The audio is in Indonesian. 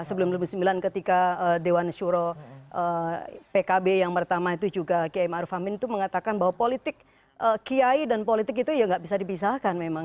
sebelum seribu sembilan ratus sembilan puluh sembilan ketika dewan suro pkb yang pertama itu juga kiai maruf amin itu mengatakan bahwa politik kiai dan politik itu ya gak bisa dipisahkan memang